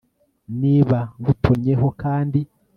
niba ngutonnyeho kandi